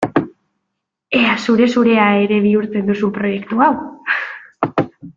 Ea zure-zurea ere bihurtzen duzun proiektu hau!